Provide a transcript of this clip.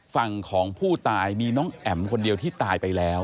ฝั่งของผู้ตายมีน้องแอ๋มคนเดียวที่ตายไปแล้ว